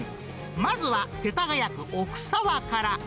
まずは世田谷区奥沢から。